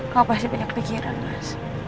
kau pasti banyak pikiran mas